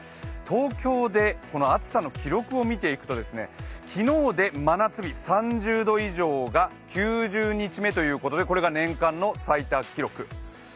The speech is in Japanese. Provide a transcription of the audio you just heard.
東京でこの暑さの記録を見ていくと昨日で真夏日、３０度以上が９０日目ということでこれが年間の最多記録。